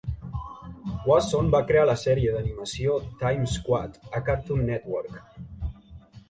Wasson va crear la sèrie d"animació "Time Squad" a Cartoon Network.